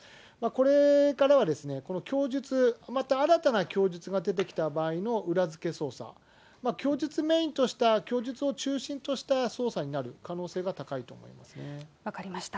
これからは供述、また新たな供述が出てきた場合の裏付け捜査、供述メインとした供述を中心とした捜査になる可能性が高いと思い分かりました。